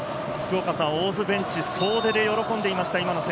大津ベンチ、総出で喜んでいました。